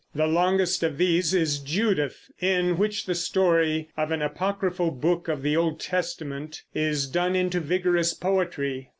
The longest of these is Judith, in which the story of an apocryphal book of the Old Testament is done into vigorous poetry.